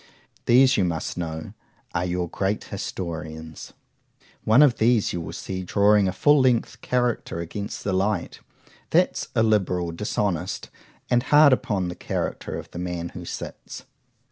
—These, you must know, are your great historians. One of these you will see drawing a full length character against the light;—that's illiberal,—dishonest,—and hard upon the character of the man who sits.